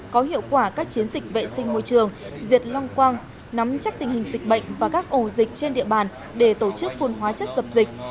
có hiệu quả các chiến dịch vệ sinh môi trường diệt long quang nắm chắc tình hình dịch bệnh và các ổ dịch trên địa bàn để tổ chức phun hóa chất dập dịch